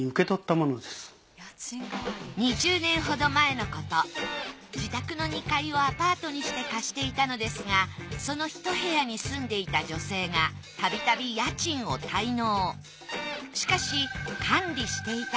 ところで自宅の２階をアパートにして貸していたのですがその一部屋に住んでいた女性がたびたび家賃を滞納。